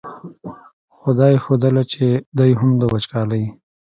خو دا یې ښودله چې دی هم د وچکالۍ.